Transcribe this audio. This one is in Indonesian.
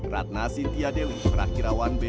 ratna sinti adeli perakirawan bnr